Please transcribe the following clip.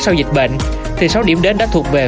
sau dịch bệnh thì sáu điểm đến đã thuộc về